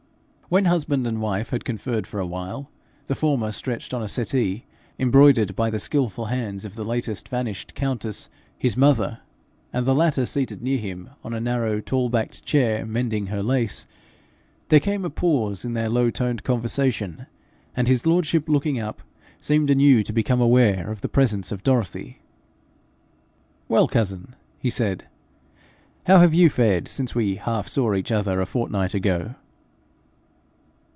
When husband and wife had conferred for a while, the former stretched on a settee embroidered by the skilful hands of the latest vanished countess, his mother, and the latter seated near him on a narrow tall backed chair, mending her lace, there came a pause in their low toned conversation, and his lordship looking up seemed anew to become aware of the presence of Dorothy. 'Well, cousin,' he said, 'how have you fared since we half saw each other a fortnight ago?'